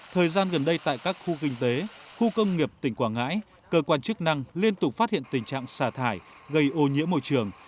thời gian gần đây tại các khu kinh tế khu công nghiệp tỉnh quảng ngãi cơ quan chức năng liên tục phát hiện tình trạng xả thải gây ô nhiễm môi trường